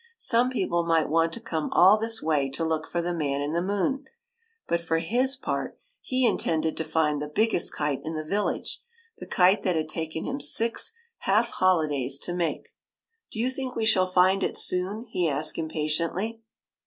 Some people might want to come all this way to look for the man in the moon, but for his part he i82 THE KITE THAT intended to find the biggest kite in the village, the kite that had taken him six half holidays to make. '' Do you think we shall find it soon ?" he asked impatiently.